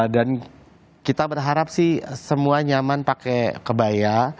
kita berharap sih semua nyaman pakai kebaya